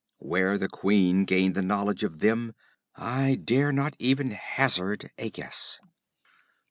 Where the queen gained the knowledge of them I dare not even hazard a guess.